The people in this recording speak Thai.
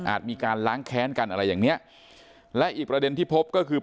มีการล้างแค้นกันอะไรอย่างเนี้ยและอีกประเด็นที่พบก็คือ